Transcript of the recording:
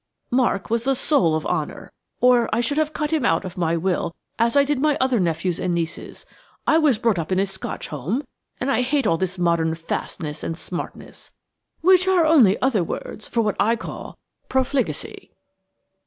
Mark was the soul of honour, or I should have cut him out of my will as I did my other nephews and nieces. I was brought up in a Scotch home, and I hate all this modern fastness and smartness, which are only other words for what I call profligacy."